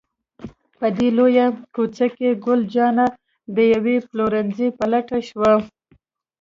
په دې لویه کوڅه کې، ګل جانه د یوه پلورنځي په لټه شوه.